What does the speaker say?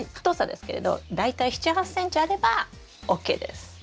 太さですけれど大体７８ｃｍあればＯＫです。